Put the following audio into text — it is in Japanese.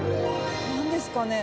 何ですかね？